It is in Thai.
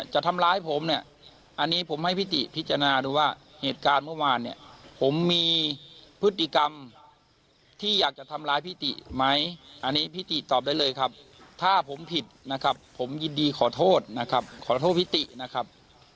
จะทำร้ายผมเนี่ยอันนี้ผมให้พี่ติพิจารณาดูว่าเหตุการณ์เมื่อวานเนี่ยผมมีพฤติกรรมที่อยากจะทำร้ายพี่ติไหมอันนี้พี่ติตอบได้เลยครับถ้าผมผิดนะครับผมยินดีขอโทษนะครับขอโทษพี่ตินะครับ